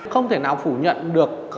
không thể nào phủ nhận được